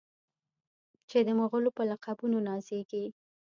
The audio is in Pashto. چې د مغلو په لقبونو نازیږي.